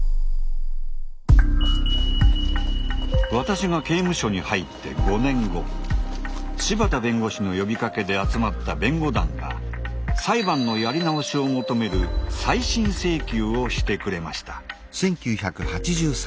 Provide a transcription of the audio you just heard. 私が刑務所に入って５年後柴田弁護士の呼びかけで集まった弁護団が裁判のやり直しを求める「再審請求」をしてくれました。